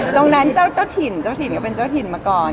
เจ้านั้นเจ้าถิ่นเจ้าถิ่นก็เป็นเจ้าถิ่นมาก่อน